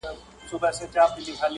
له نږدې سلام او احترام وکړم